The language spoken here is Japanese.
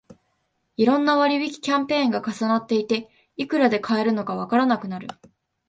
いろんな割引キャンペーンが重なっていて、いくらで買えるのかわからなくなる